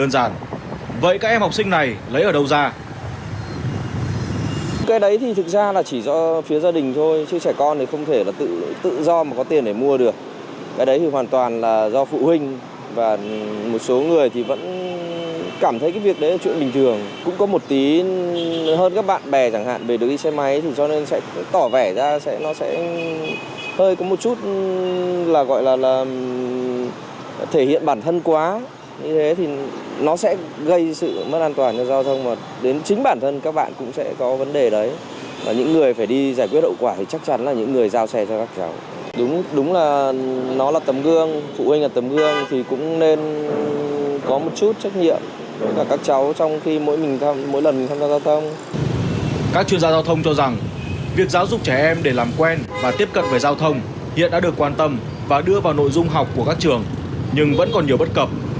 các chuyên gia giao thông cho rằng việc giáo dục trẻ em để làm quen và tiếp cận về giao thông hiện đã được quan tâm và đưa vào nội dung học của các trường nhưng vẫn còn nhiều bất cập